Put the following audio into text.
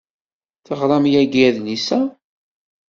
Teɣram yagi adlis-a.